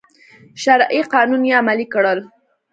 شرعي قوانین یې عملي کړل.